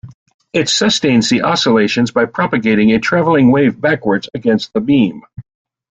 It sustains the oscillations by propagating a traveling wave backwards against the beam.